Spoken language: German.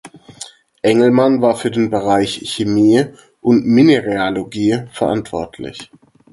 Engelmann war für den Bereich Chemie und Mineralogie verantwortlich.